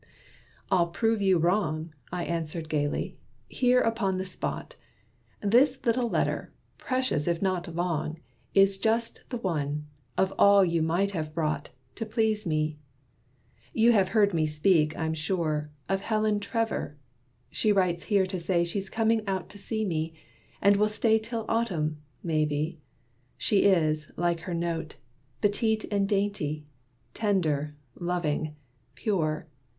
"I'll prove you wrong," I answered gayly, "here upon the spot! This little letter, precious if not long, Is just the one, of all you might have brought, To please me. You have heard me speak, I'm sure, Of Helen Trevor: she writes here to say She's coming out to see me; and will stay Till Autumn, maybe. She is, like her note, Petite and dainty, tender, loving, pure.